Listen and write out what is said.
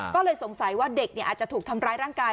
ก็เลยสงสัยว่าเด็กอาจจะถูกทำร้ายร่างกาย